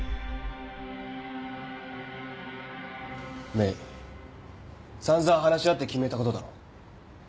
ＭＡＹ散々話し合って決めた事だろ？